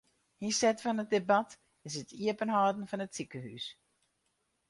Ynset fan it debat is it iepenhâlden fan it sikehús.